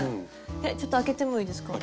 ちょっと開けてもいいですか？